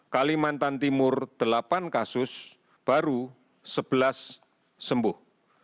kalimantan timur delapan kasus baru sebelas sembuh